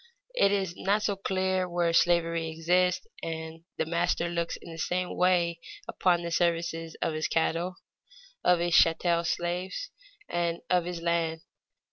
It is not so clear where slavery exists and the master looks in the same way upon the services of his cattle, of his chattel slaves, and of his land.